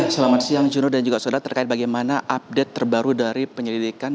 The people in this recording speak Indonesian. selamat siang jurno dan juga saudara terkait bagaimana update terbaru dari penyelidikan